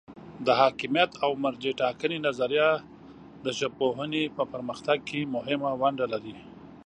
د حاکمیت او مرجع ټاکنې نظریه د ژبپوهنې په پرمختګ کې مهمه ونډه لري.